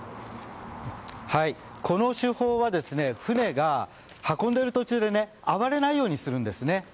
この手法は船が運んでいる途中で暴れないようにするんですね。